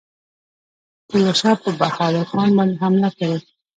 تیمورشاه پر بهاول خان باندي حمله کړې.